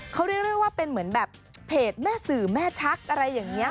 เขาเรียกได้ว่าเป็นเหมือนแบบเพจแม่สื่อแม่ชักอะไรอย่างนี้